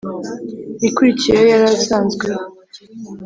ikurikira iyo yari asanzweho.